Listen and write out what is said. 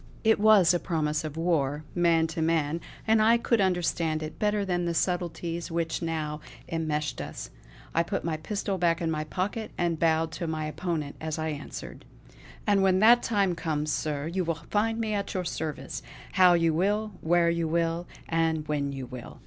It was a promise of war, man to man, and I could understand it better than the subtleties which now enmeshed us. I put my pistol back in my pocket, and bowed to my opponent as I answered: "And when that time comes, Sir, you will find me at your service; how you will; where you will; and when you will.